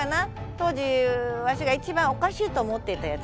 当時わしが一番おかしいと思っていたやつ。